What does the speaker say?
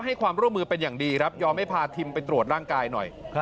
ให้ความร่วมมือเป็นอย่างดีครับยอมให้พาทิมไปตรวจร่างกายหน่อย